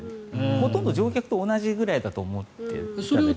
ほとんど乗客と同じくらいだと思っていただければ。